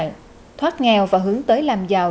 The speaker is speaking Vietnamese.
hướng dẫn thoát nghèo và hướng tới làm giàu